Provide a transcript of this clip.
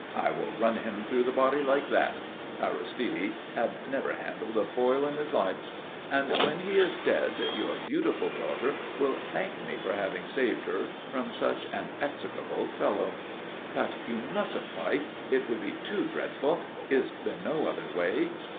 "I will run him through the body like that" Aristide had never handled a foil in his life "and when he is dead, your beautiful daughter will thank me for having saved her from such an execrable fellow." "But you mustn't fight. It would be too dreadful. Is there no other way?"